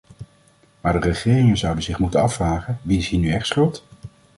Maar de regeringen zouden zich moeten afvragen: wie is hier nu echt schuld?